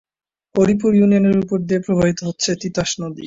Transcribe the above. হরিপুর ইউনিয়নের উপর দিয়ে প্রবাহিত হচ্ছে তিতাস নদী।